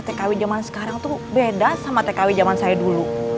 tkw zaman sekarang tuh beda sama tkw zaman saya dulu